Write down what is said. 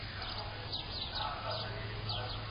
صرافي بې حسابه نه وي.